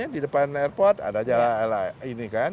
di depan airport ada jalan